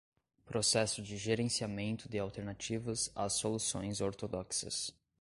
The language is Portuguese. Processo de gerenciamento de alternativas às soluções ortodoxas